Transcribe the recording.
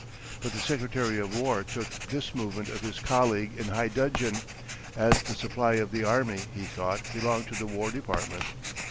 But the secretary of war took this movement of his colleague in high dudgeon, as the supply of the army, he thought, belonged to the war department.